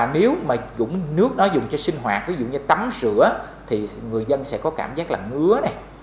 nếu dùng nước đó dùng cho sinh hoạt ví dụ như tắm rửa thì người dân sẽ có cảm giác ngứa